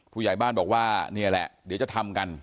ผู้ใหญ่บ้านบอกว่านี่แหละเดี๋ยวจะทำกัน